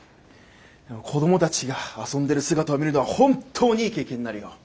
子どもたちが遊んでる姿を見るのは本当にいい経験になるよ。